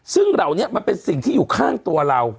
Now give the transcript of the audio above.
ซึ่งเหล่านี้มันเป็นสิ่งที่อยู่ข้างตัวเรา